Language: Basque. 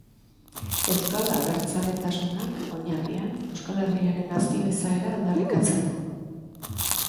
Euskal abertzaletasunak, oinarrian, Euskal Herriaren nazio izaera aldarrikatzen du.